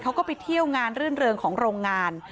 เค้าก็ไปเที่ยวงานเรื่องของโรงงาน